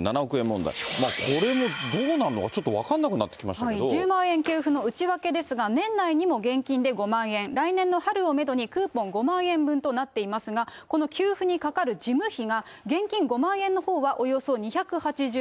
もうこれもどうなのか、ちょっと１０万円給付の内訳ですが、年内にも現金で５万円、来年の春をメドにクーポン５万円分となっていますが、この給付にかかる事務費が現金５万円のほうはおよそ２８０億円。